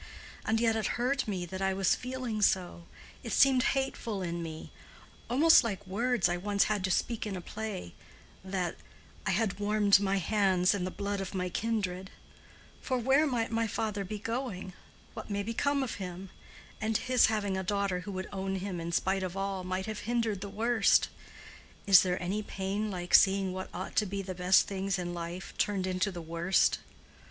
And yet it hurt me that I was feeling so—it seemed hateful in me—almost like words I once had to speak in a play, that 'I had warmed my hands in the blood of my kindred.' For where might my father be going? What may become of him? And his having a daughter who would own him in spite of all, might have hindered the worst. Is there any pain like seeing what ought to be the best things in life turned into the worst?